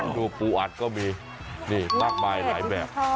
รูปปูอัดก็มีนี่มากมายหลายแบบ